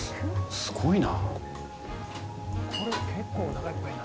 すごいな。